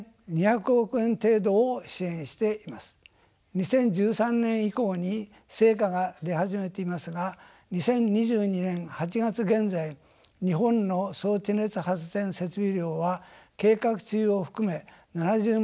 ２０１３年以降に成果が出始めていますが２０２２年８月現在日本の総地熱発電設備量は計画中を含め７０万